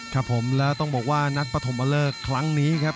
ครับผมแล้วต้องบอกว่านัดปฐมเลิกครั้งนี้ครับ